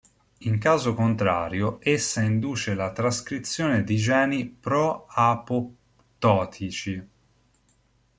In caso contrario, essa induce la trascrizione di geni pro-apoptotici.